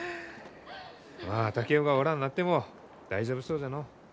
まあ竹雄がおらんなっても大丈夫そうじゃのう。